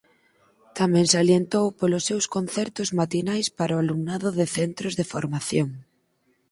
Tamén salientou polos seus concertos matinais para o alumnado de centros de formación.